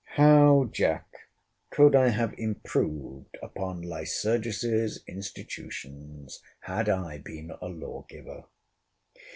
How, Jack, could I have improved upon Lycurgus's institutions had I been a lawgiver!